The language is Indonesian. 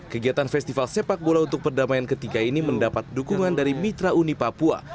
kegiatan festival sepak bola untuk perdamaian ketiga ini mendapat dukungan dari mitra uni papua